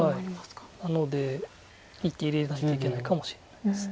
なので１手入れないといけないかもしれないです。